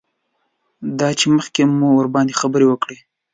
دا چې مخکې مو ورباندې خبرې وکړې.